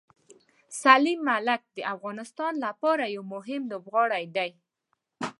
سلیم ملک د افغانستان لپاره یو مهم لوبغاړی دی.